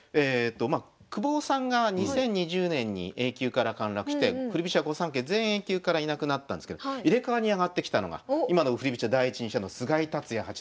久保さんが２０２０年にＡ級から陥落して振り飛車御三家全員Ａ級からいなくなったんですけど入れ替わりに上がってきたのが今の振り飛車第一人者の菅井竜也八段。